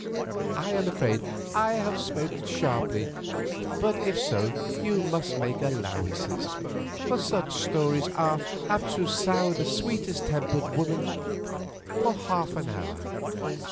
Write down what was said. I am afraid I have spoken sharply, but if so you must make allowances, for such stories are apt to sour the sweetest tempered women—for half an hour.